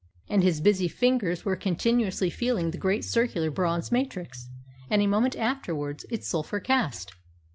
And his busy fingers were continuously feeling the great circular bronze matrix, and a moment afterwards its sulphur cast.